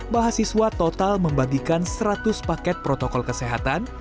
mahasiswa total membagikan seratus paket protokol kesehatan